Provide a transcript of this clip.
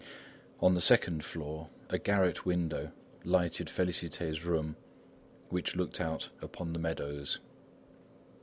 On the second floor, a garret window lighted Félicité's room, which looked out upon the meadows.